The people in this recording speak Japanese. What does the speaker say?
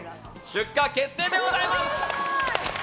出荷決定でございます！